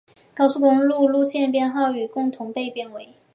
高速公路路线编号与共同被编为。